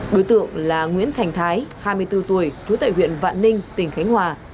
đối tượng là nguyễn thành thái hai mươi bốn tuổi trú tại huyện vạn ninh tỉnh khánh hòa